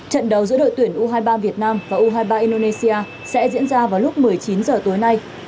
trận đấu giữa đội tuyển u hai mươi ba việt nam và u hai mươi ba indonesia sẽ diễn ra vào lúc một mươi chín h tối nay